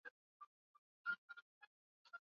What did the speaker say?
Na kufariki tarehe tisaa mwezi wa kumi mwaka